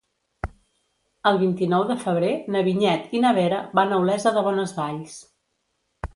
El vint-i-nou de febrer na Vinyet i na Vera van a Olesa de Bonesvalls.